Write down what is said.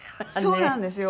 そうなんですよ。